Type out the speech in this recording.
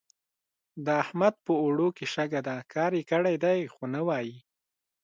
د احمد په اوړو کې شګه ده؛ کار يې کړی دی خو نه وايي.